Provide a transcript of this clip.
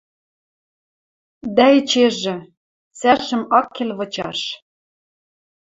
Дӓ эчежӹ: цӓшӹм ак кел вычаш